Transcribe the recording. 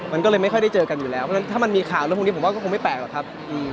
มันก็เลยไม่ค่อยได้เจอกันอยู่แล้วเพราะฉะนั้นถ้ามันมีข่าวเรื่องพวกนี้ผมว่าก็คงไม่แปลกหรอกครับ